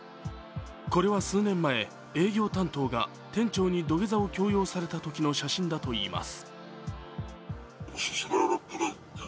これは数年前、営業担当が店長に土下座を強要されたときの写真だといいます。